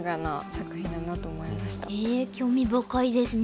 へえ興味深いですね。